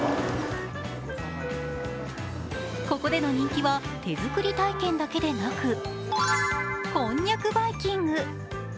ここでの人気は手作り体験だけでなく、こんにゃくバイキング。